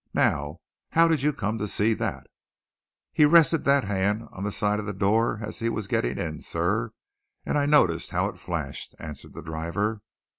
Now, how did you come to see that?" "He rested that hand on the side of the door as he was getting in, sir, and I noticed how it flashed," answered the driver.